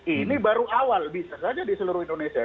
ini baru awal bisa saja di seluruh indonesia